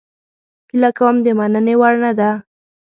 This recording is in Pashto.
هیله کوم د مننې وړ نه ده